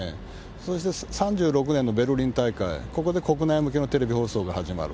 そして、３６年のベルリン大会、ここで国内向けのテレビ放送が始まる。